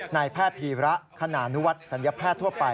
นายแพทย์ภีระขณะนวัตรสัญพแพทย์ทั่วไป